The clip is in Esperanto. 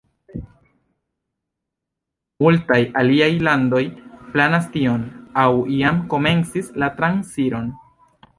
Multaj aliaj landoj planas tion aŭ jam komencis la transiron.